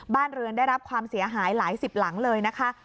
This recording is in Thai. บ้านเรือนได้รับความเสียหายหลายสิบหลังเลยนะคะ